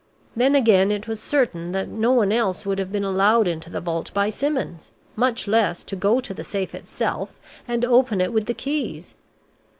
Then again it was certain that no one else would have been allowed into the vault by Simmons, much less to go to the safe itself, and open it with the keys.